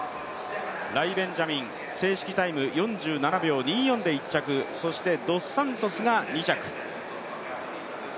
ライ・ベンジャミン正式タイム４７秒２４で１着そしてドスサントスが２着。